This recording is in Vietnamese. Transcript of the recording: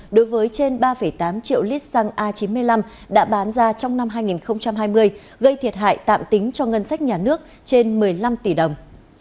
đối với trên ba tám triệu lít xăng a chín mươi năm đã bán ra trong năm hai nghìn hai mươi gây thiệt hại tạm tính cho ngân sách nhà nước trên một mươi năm tỷ đồng